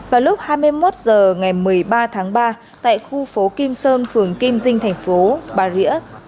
vào lúc hai mươi một h ngày một mươi ba tháng ba tại khu phố kim sơn phường kim dinh thành phố bà rịa